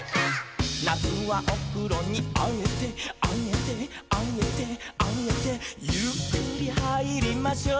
「なつはおふろにあえてあえてあえてあえて」「ゆっくりはいりましょう」